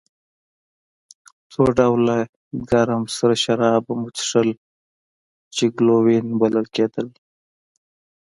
څو ډوله ګرم سره شراب به مو څښل چې ګلووېن بلل کېدل.